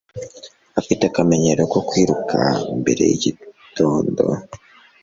Afite akamenyero ko kwiruka mbere yigitondo.